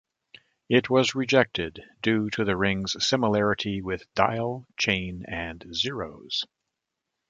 It was rejected due to the rings' similarity with "dial", "chain" and "zeros".